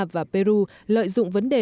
và peru lợi dụng vấn đề